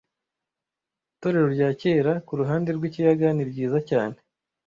Itorero rya kera kuruhande rwikiyaga ni ryiza cyane.